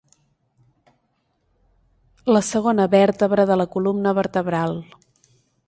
La segona vèrtebra de la columna vertebral.